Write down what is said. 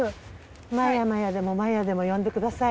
マヤマヤでもマヤでも呼んでください。